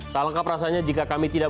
salahkah perasaannya jika kami tidak